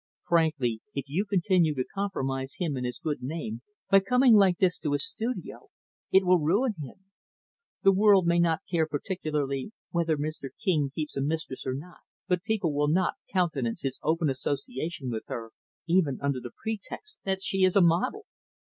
Frankly, if you continue to compromise him and his good name by coming like this to his studio, it will ruin him. The world may not care particularly whether Mr. King keeps a mistress or not, but people will not countenance his open association with her, even under the pretext that she is a model."